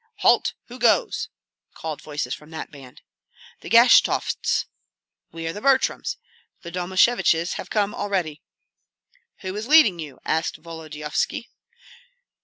"Halt! who goes?" called voices from that band. "The Gashtovts!" "We are the Butryms. The Domasheviches have come already." "Who is leading you?" asked Volodyovski.